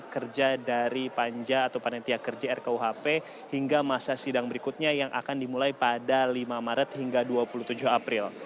kerja dari panja atau panitia kerja rkuhp hingga masa sidang berikutnya yang akan dimulai pada lima maret hingga dua puluh tujuh april